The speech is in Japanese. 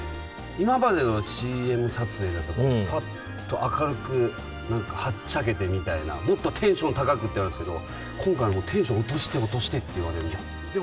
今までのＣＭ撮影だと、ぱっと明るく、なんかはっちゃけてみたいな、もっとテンション高くって言われるんですけど、今回はもう、テンション落として落としてって言われるので。